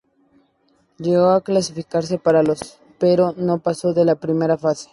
Llegó a clasificarse para los pero no pasó de la primera fase.